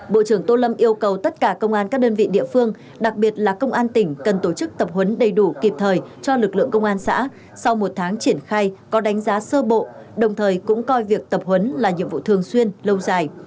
bộ trưởng tô lâm yêu cầu tất cả công an các đơn vị địa phương đặc biệt là công an tỉnh cần tổ chức tập huấn đầy đủ kịp thời cho lực lượng công an xã sau một tháng triển khai có đánh giá sơ bộ đồng thời cũng coi việc tập huấn là nhiệm vụ thường xuyên lâu dài